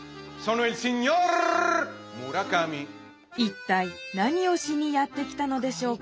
いったい何をしにやって来たのでしょうか？